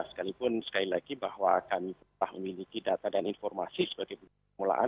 sekalipun sekali lagi bahwa kami telah memiliki data dan informasi sebagai pemulaan